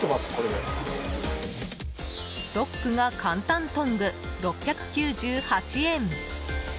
ロックが簡単トング６９８円。